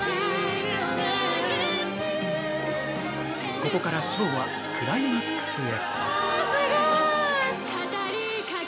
◆ここからショーはクライマックスへ